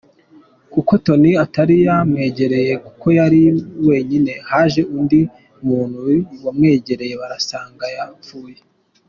Kuko Tony atari yamwegereye kuko yari wenyine haje undi muntu bamwegereye basanga yapfuye”.